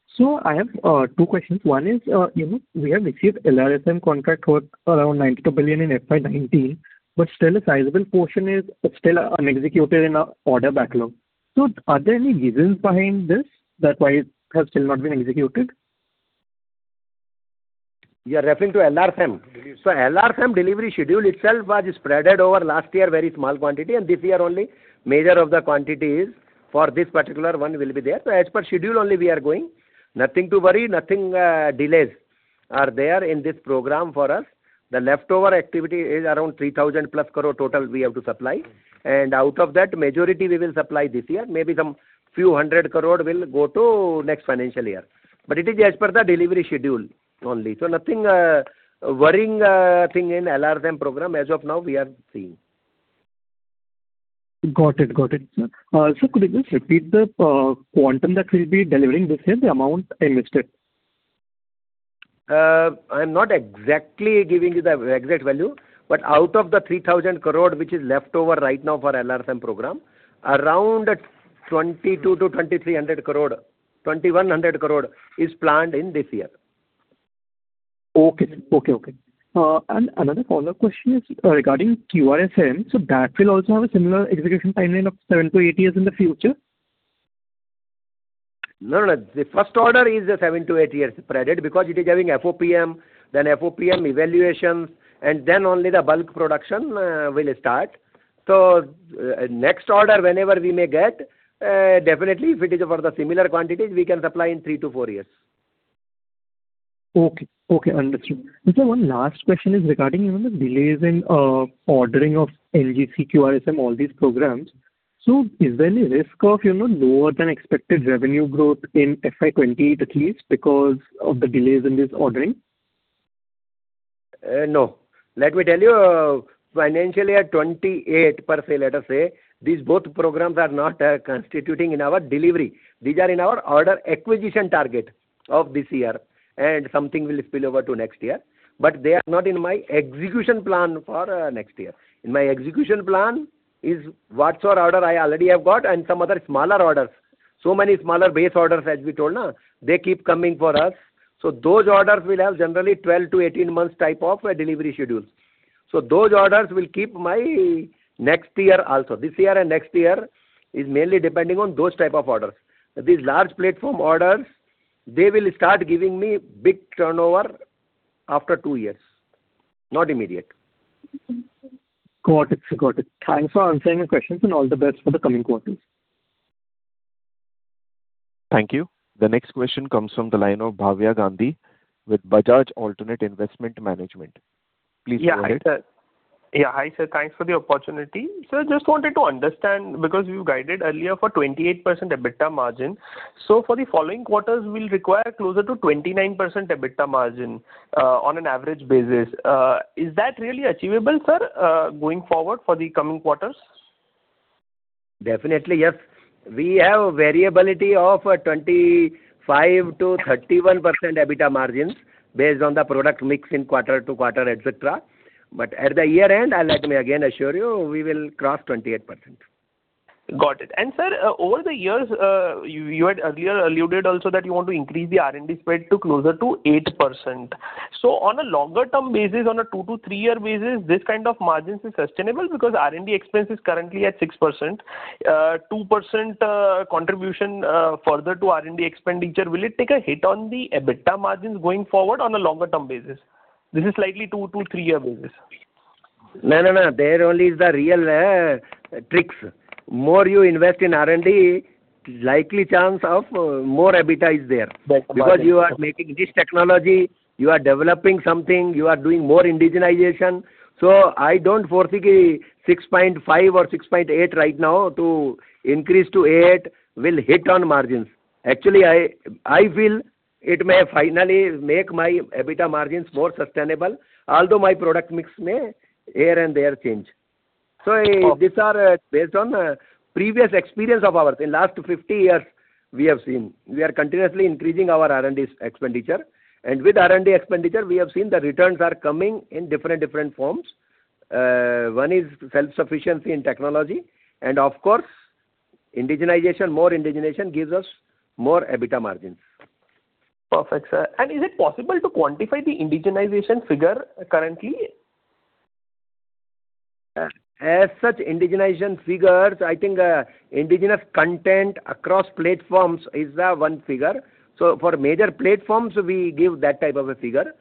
I have two questions. One is, we have received LRSAM contract worth around 92 billion in FY 2019, but still a sizable portion is still unexecuted in our order backlog. Are there any reasons behind this that why it has still not been executed? You are referring to LRSAM? Yes. LRSAM delivery schedule itself was spread over last year, very small quantity, and this year only major of the quantity is for this particular one will be there. As per schedule only we are going. Nothing to worry, nothing delays are there in this program for us. The leftover activity is around 3,000+ crore total we have to supply. Out of that majority we will supply this year. Maybe some few hundred crore will go to next financial year. It is as per the delivery schedule only. Nothing worrying thing in LRSAM program as of now we are seeing. Got it. Sir, could you just repeat the quantum that we'll be delivering this year, the amount invested? I'm not exactly giving you the exact value, out of the 3,000 crore which is left over right now for LRSAM program, around 2,200-2,300 crore, 2,100 crore is planned in this year. Okay. Another follow-up question is regarding QRSAM. That will also have a similar execution timeline of seven to eight years in the future? No. The first order is seven, eight years spread because it is having FOPM, then FOPM evaluations, and then only the bulk production will start. Next order, whenever we may get, definitely if it is for the similar quantities, we can supply in three to four years. Okay. Understood. Sir, one last question is regarding even the delays in ordering of NGC, QRSAM, all these programs. Is there any risk of lower than expected revenue growth in FY 2028 at least because of the delays in this ordering? No. Let me tell you, financial year 2028 per se, let us say, these both programs are not constituting in our delivery. These are in our order acquisition target of this year, something will spill over to next year. They are not in my execution plan for next year. In my execution plan is whatsoever order I already have got and some other smaller orders. Many smaller base orders as we told, they keep coming for us. Those orders will have generally 12-18 months type of a delivery schedule. Those orders will keep my next year also. This year and next year is mainly depending on those type of orders. These large platform orders, they will start giving me big turnover after two years, not immediate. Got it, sir. Thanks for answering the questions and all the best for the coming quarters. Thank you. The next question comes from the line of Bhavya Gandhi with Bajaj Finserv Asset Management. Please go ahead. Yeah. Hi, sir. Thanks for the opportunity. Sir, just wanted to understand, because you guided earlier for 28% EBITDA margin. For the following quarters, we will require closer to 29% EBITDA margin on an average basis. Is that really achievable, sir, going forward for the coming quarters? Definitely, yes. We have variability of 25%-31% EBITDA margins based on the product mix in quarter to quarter, et cetera. At the year-end, let me again assure you, we will cross 28%. Got it. Sir, over the years, you had earlier alluded also that you want to increase the R&D spread to closer to 8%. On a longer-term basis, on a two to three-year basis, this kind of margins is sustainable because R&D expense is currently at 6%. 2% contribution further to R&D expenditure, will it take a hit on the EBITDA margins going forward on a longer-term basis? This is slightly two to three-year basis. No. There only is the real tricks. More you invest in R&D, likely chance of more EBITDA is there. That's fine. You are making this technology, you are developing something, you are doing more indigenization. I don't foresee 6.5 or 6.8 right now to increase to eight will hit on margins. Actually, I feel it may finally make my EBITDA margins more sustainable. Although my product mix may here and there change. These are based on previous experience of ours. In last 50 years, we have seen. We are continuously increasing our R&D expenditure. With R&D expenditure, we have seen the returns are coming in different forms. One is self-sufficiency in technology, and of course, indigenization. More indigenization gives us more EBITDA margins. Perfect, sir. Is it possible to quantify the indigenization figure currently? As such, indigenization figures, I think, indigenous content across platforms is one figure. For major platforms, we give that type of a figure.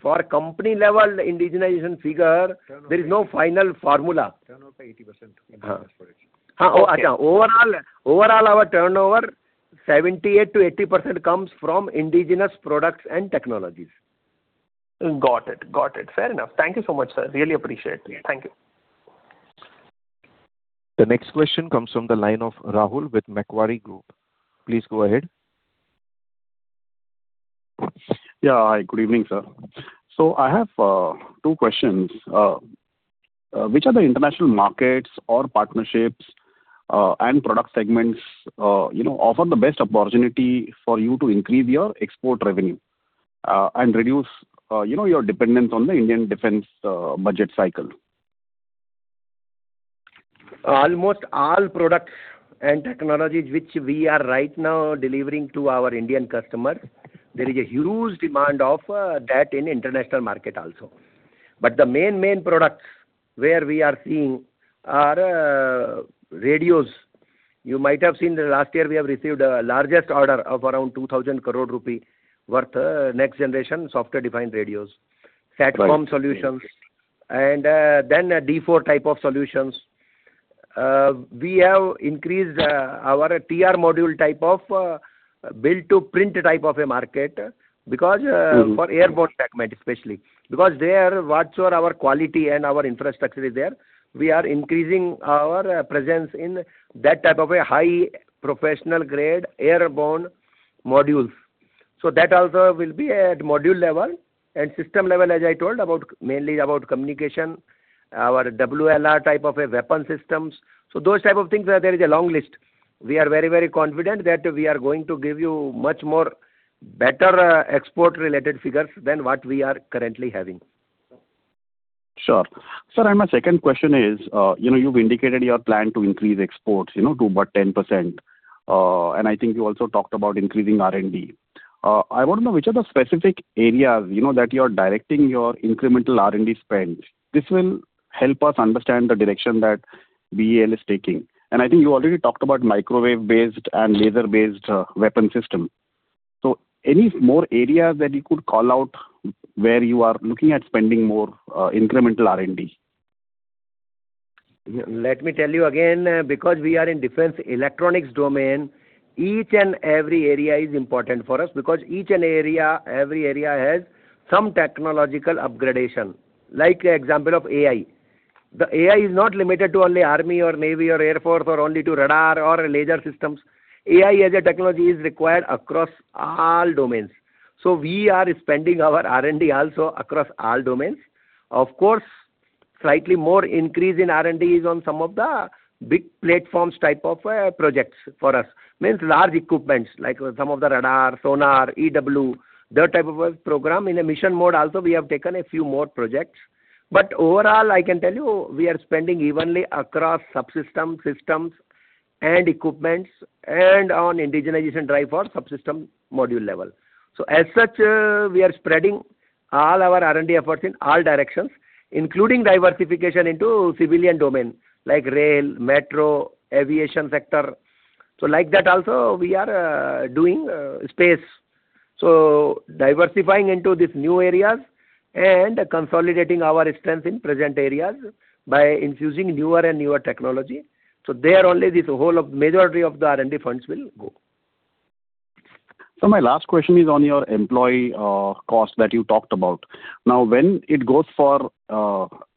For company-level indigenization figure, there is no final formula. Turnover 80% indigenous for it. Overall, our turnover, 78% to 80% comes from indigenous products and technologies. Got it. Fair enough. Thank you so much, sir. Really appreciate it. Thank you. The next question comes from the line of Rahul with Macquarie Group. Please go ahead. Yeah. Hi, good evening, sir. I have two questions. Which are the international markets or partnerships, and product segments offer the best opportunity for you to increase your export revenue, and reduce your dependence on the Indian defense budget cycle? Almost all products and technologies which we are right now delivering to our Indian customers, there is a huge demand of that in international market also. The main products where we are seeing are radios. You might have seen that last year we have received a largest order of around 2,000 crore rupee worth next generation software-defined radios. SATCOM solutions. D4 type of solutions. We have increased our T/R module type of build-to-print type of a market, for airborne segment, especially. Because there, whatsoever our quality and our infrastructure is there, we are increasing our presence in that type of a high professional grade airborne modules. That also will be at module level and system level, as I told, mainly about communication, our WLR type of a weapon systems. Those type of things, there is a long list. We are very confident that we are going to give you much more better export-related figures than what we are currently having. Sure. Sir. My second question is, you've indicated your plan to increase exports to about 10%. I think you also talked about increasing R&D. I want to know which are the specific areas that you're directing your incremental R&D spend. This will help us understand the direction that BEL is taking. I think you already talked about microwave-based and laser-based weapon system. Any more areas that you could call out where you are looking at spending more incremental R&D? Let me tell you again, because we are in defense electronics domain, each and every area is important for us, because each and every area has some technological upgradation. Like example of AI. The AI is not limited to only army or navy or air force or only to radar or laser systems. AI as a technology is required across all domains. We are spending our R&D also across all domains. Of course, slightly more increase in R&D is on some of the big platforms type of projects for us. Means large equipments like some of the radar, sonar, EW, that type of a program. In a mission mode also, we have taken a few more projects. Overall, I can tell you, we are spending evenly across subsystems, systems, and equipments, and on indigenization drive for subsystem module level. As such, we are spreading all our R&D efforts in all directions, including diversification into civilian domain, like rail, metro, aviation sector. Like that also, we are doing space. Diversifying into these new areas and consolidating our strength in present areas by infusing newer and newer technology. There only this majority of the R&D funds will go. My last question is on your employee cost that you talked about. Now, when it goes for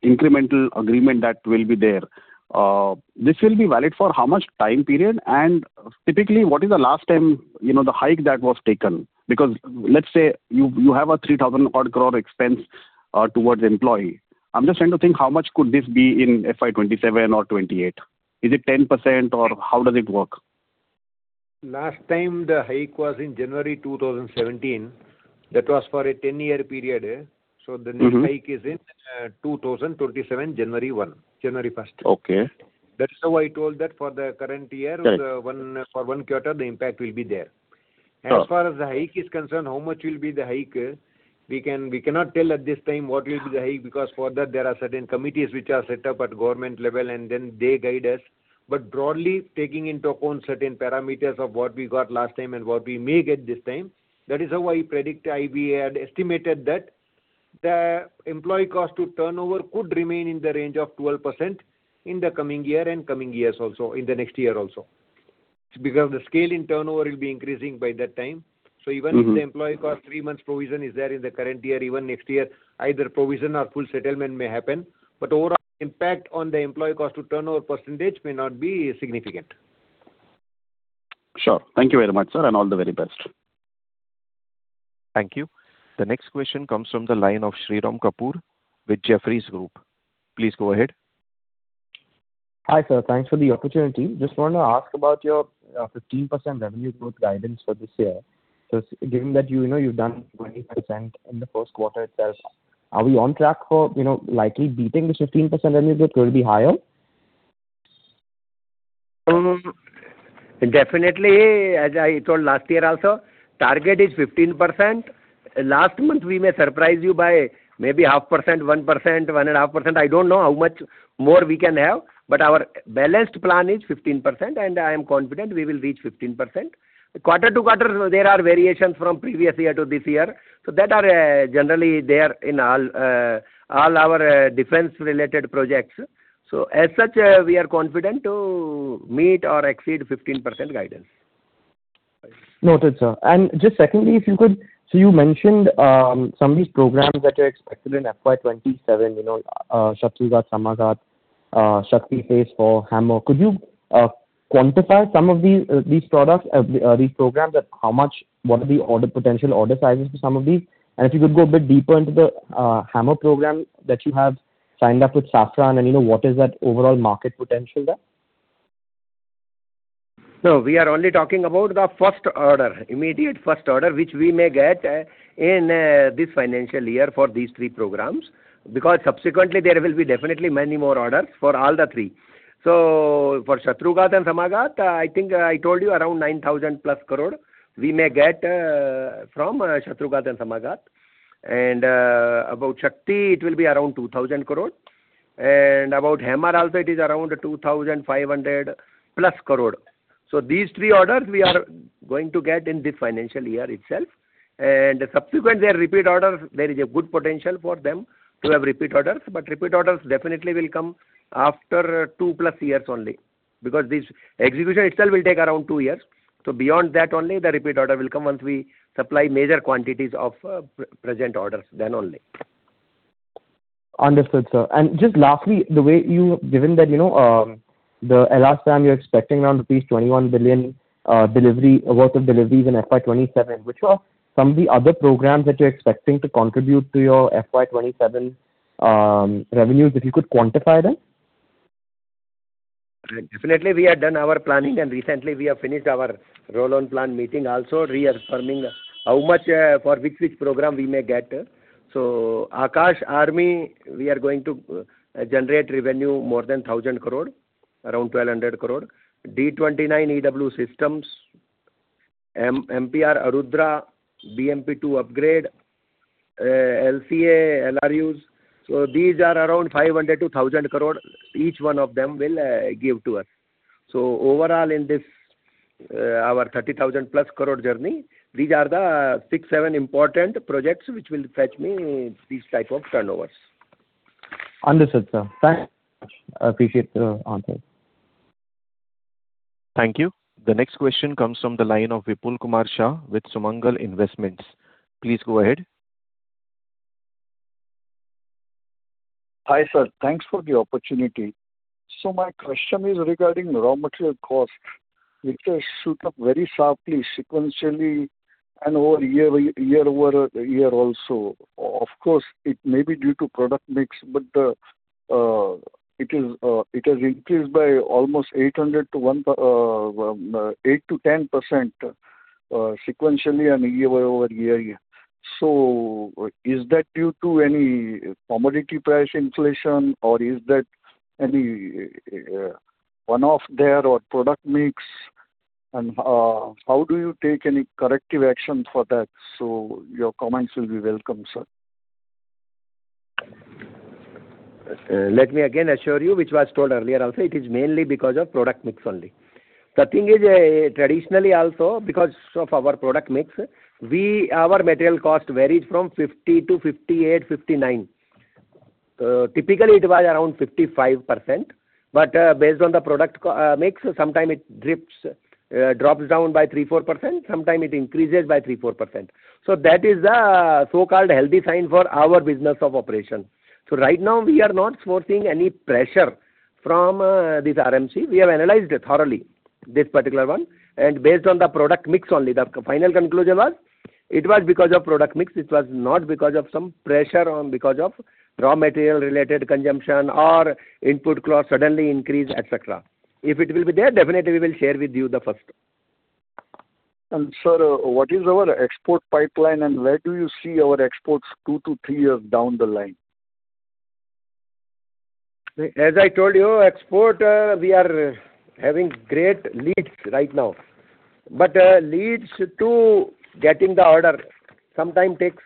incremental agreement that will be there, this will be valid for how much time period? Typically, what is the last time the hike that was taken? Let's say, you have an 3,000 odd crore expense towards employee. I'm just trying to think how much could this be in FY 2027 or 2028. Is it 10% or how does it work? Last time the hike was in January 2017. That was for a 10-year period. the next hike is in 2027, January 1st. Okay. That is how I told that for the current year- Right For one quarter, the impact will be there. Sure. As far as age is concerned [inaudible] We cannot tell at the same [inaudible] broadly, taking into account certain parameters of what we got last time and what we may get this time, that is how I predict, I had estimated that the employee cost to turnover could remain in the range of 12% in the coming year and coming years also, in the next year also. Because the scale in turnover will be increasing by that time. If the employee cost three months provision is there in the current year, even next year, either provision or full settlement may happen. Overall impact on the employee cost to turnover percentage may not be significant. Sure. Thank you very much, sir, and all the very best. Thank you. The next question comes from the line of Shirom Kapur with Jefferies Group. Please go ahead. Hi, sir. Thanks for the opportunity. Just want to ask about your 15% revenue growth guidance for this year. Given that you've done 20% in the first quarter itself, are we on track for likely beating this 15% revenue growth? Will it be higher? Definitely, as I told last year also, target is 15%. Last month, we may surprise you by maybe half percent, 1%, 1.5%. I don't know how much more we can have, but our balanced plan is 15%, and I am confident we will reach 15%. Quarter to quarter, there are variations from previous year to this year. Generally, they are in all our defense-related projects. As such, we are confident to meet or exceed 15% guidance. Noted, sir. Just secondly, if you could, you mentioned some of these programs that you expected in FY 2027, Shatrughat, Samaghat, and Shakti Phase 4, HAMMER. Could you quantify some of these programs, that how much, what are the potential order sizes for some of these? If you could go a bit deeper into the HAMMER program that you have signed up with Safran, what is that overall market potential there? No, we are only talking about the first order, immediate first order, which we may get in this financial year for these three programs, because subsequently, there will be definitely many more orders for all the three. For Shatrughat and Samaghat, I think I told you around 9,000-plus crore. We may get from Shatrughat and Samaghat. About Shakti, it will be around 2,000 crore. About HAMMER also, it is around 2,500-plus crore. These three orders we are going to get in this financial year itself. Subsequently, repeat orders, there is a good potential for them to have repeat orders. Repeat orders definitely will come after two-plus years only, because this execution itself will take around two years. Beyond that only the repeat order will come, once we supply major quantities of present orders, then only. Understood, sir. Just lastly, given that last time you were expecting around rupees 21 billion worth of deliveries in FY 2027, which are some of the other programs that you're expecting to contribute to your FY 2027 revenues, if you could quantify them? Right. Definitely, we have done our planning, recently we have finished our roll on plan meeting also, reaffirming how much for which program we may get. Akash, Army, we are going to generate revenue more than 1,000 crore, around 1,200 crore. D-29 EW systems, MPR Arudhra, BMPV upgrade, LCA, LRUs. These are around 500-1,000 crore, each one of them will give to us. Overall, in this our 30,000-plus crore journey, these are the six, seven important projects which will fetch me these type of turnovers. Understood, sir. Thanks. Appreciate your answers. Thank you. The next question comes from the line of Vipul Kumar Shah with Sumangal Investments. Please go ahead. Hi, sir. Thanks for the opportunity. My question is regarding raw material cost, which has shot up very sharply sequentially and over year-over-year also. Of course, it may be due to product mix, but it has increased by almost 8%-10% sequentially and year-over-year. Is that due to any commodity price inflation, or is that any one-off there or product mix, and how do you take any corrective action for that? Your comments will be welcome, sir. Let me again assure you, which was told earlier also, it is mainly because of product mix only. The thing is, traditionally also, because of our product mix, our material cost varied from 50%-58%, 59%. Typically, it was around 55%, but based on the product mix, sometime it drops down by 3%-4%, sometime it increases by 3%-4%. That is the so-called healthy sign for our business of operation. Right now, we are not foreseeing any pressure from this RMC. We have analyzed thoroughly this particular one, and based on the product mix only, the final conclusion was, it was because of product mix. It was not because of some pressure on because of raw material-related consumption or input cost suddenly increase, et cetera. If it will be there, definitely we will share with you the first. Sir, what is our export pipeline, and where do you see our exports two to three years down the line? As I told you, export, we are having great leads right now. Leads to getting the order sometime takes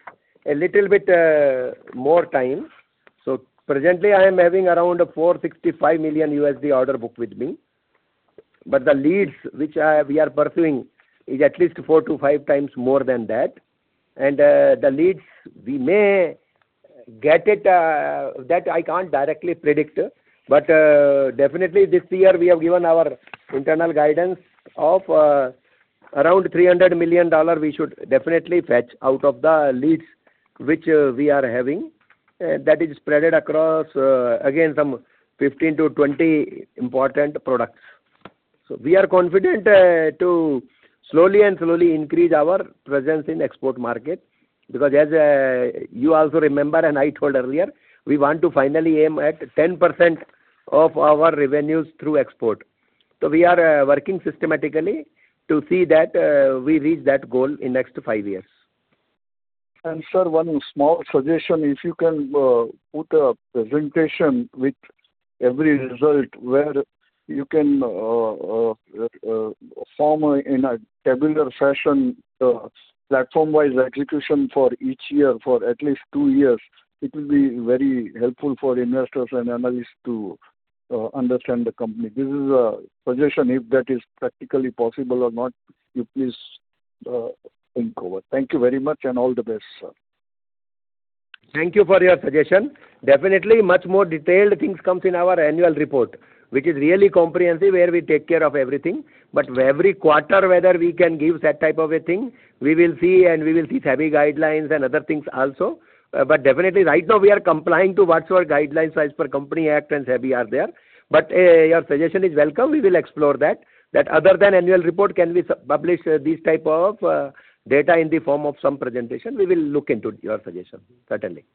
a little bit more time. Presently, I am having around $465 million order book with me. The leads which we are pursuing is at least four to five times more than that. The leads, we may get it, that I can't directly predict. Definitely this year, we have given our internal guidance of around $300 million we should definitely fetch out of the leads which we are having. That is spread across, again, some 15-20 important products. We are confident to slowly and slowly increase our presence in export market because as you also remember, and I told earlier, we want to finally aim at 10% of our revenues through export. We are working systematically to see that we reach that goal in next to five years. Sir, one small suggestion, if you can put a presentation with every result where you can form in a tabular fashion, the platform wise execution for each year for at least two years, it will be very helpful for investors and analysts to understand the company. This is a suggestion, if that is practically possible or not, you please think over. Thank you very much and all the best, sir. Thank you for your suggestion. Definitely, much more detailed things comes in our annual report, which is really comprehensive, where we take care of everything. Every quarter, whether we can give that type of a thing, we will see, and we will see SEBI guidelines and other things also. Definitely right now we are complying to whatsoever guidelines as per company act and SEBI are there. Your suggestion is welcome. We will explore that. That other than annual report, can we publish this type of data in the form of some presentation? We will look into your suggestion, certainly.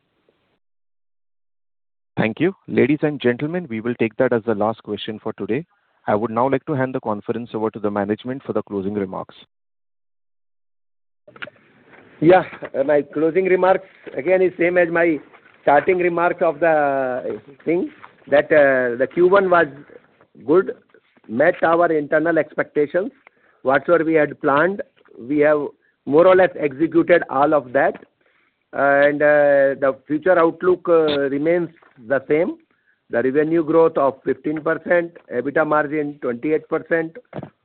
Thank you. Ladies and gentlemen, we will take that as the last question for today. I would now like to hand the conference over to the management for the closing remarks. Yeah. My closing remarks again is same as my starting remarks of the thing that the Q1 was good, met our internal expectations. Whatever we had planned, we have more or less executed all of that. The future outlook remains the same. The revenue growth of 15%, EBITDA margin 28%,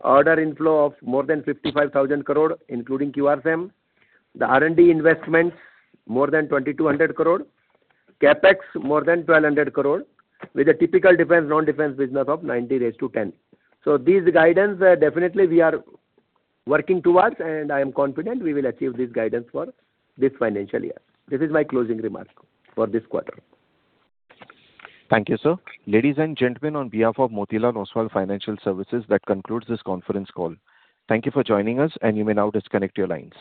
order inflow of more than 55,000 crore, including QRSAM. The R&D investments more than 2,200 crore. CapEx more than 1,200 crore with a typical defense, non-defense business of 90:10. These guidance, definitely we are working towards, and I am confident we will achieve this guidance for this financial year. This is my closing remark for this quarter. Thank you, sir. Ladies and gentlemen, on behalf of Motilal Oswal Financial Services, that concludes this conference call. Thank you for joining us, and you may now disconnect your lines.